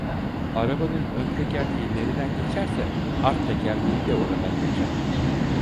Arabanın ön tekerleği nereden geçerse art tekerleği de oradan geçer.